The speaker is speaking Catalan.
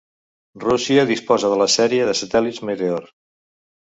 Rússia disposa de la sèrie de satèl·lits Meteor.